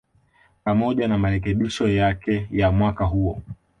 pamoja na marekebisho yake ya mwaka huo